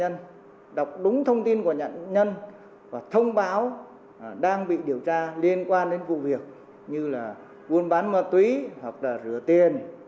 nạn nhân đọc đúng thông tin của nạn nhân và thông báo đang bị điều tra liên quan đến vụ việc như là buôn bán ma túy hoặc là rửa tiền